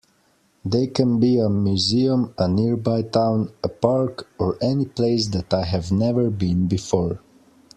They can be a museum, a nearby town, a park, or any place that I have never been before.